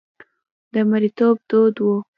د مریتوب دود و.